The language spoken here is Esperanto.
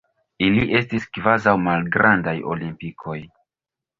Ili estis kvazaŭ malgrandaj olimpikoj.